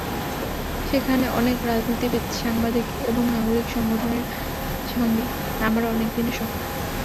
সেখানে অনেক রাজনীতিবিদ, সাংবাদিক এবং নাগরিক সংগঠনের সঙ্গে আমার অনেক দিনের সখ্য।